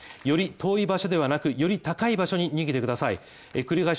より遠い場所ではなく、より高い場所に逃げてください